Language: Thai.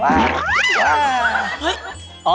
ว้าว